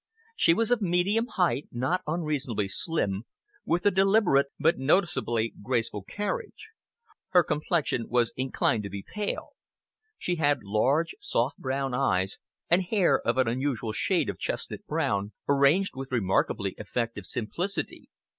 She was of medium height, not unreasonably slim, with a deliberate but noticeably graceful carriage. Her complexion was inclined to be pale. She had large, soft brown eyes, and hair of an unusual shade of chestnut brown, arranged with remarkably effective simplicity.